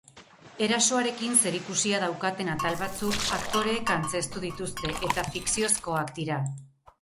Erasoarekin zerikusia daukaten atal batzuk aktoreek antzeztu dituzte eta fikziozkoak dira.